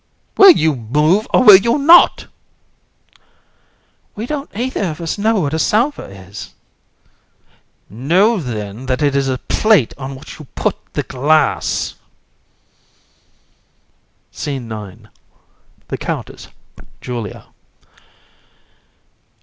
COUN. (to ANDRÉE). Will you move, or will you not? AND. We don't either of us know what a salver is. COUN. Know, then, that it is a plate on which you put the glass. SCENE IX. THE COUNTESS, JULIA.